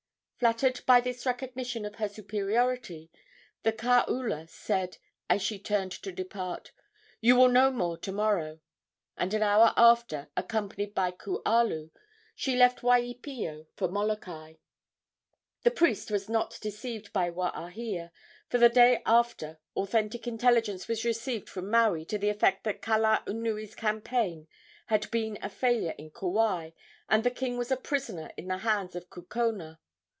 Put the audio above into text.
Flattered by this recognition of her superiority, the kaula said, as she turned to depart: "You will know more to morrow!" And an hour after, accompanied by Kualu, she left Waipio for Molokai. The priest was not deceived by Waahia, for the day after authentic intelligence was received from Maui to the effect that Kalaunui's campaign had been a failure in Kauai, and the king was a prisoner in the hands of Kukona.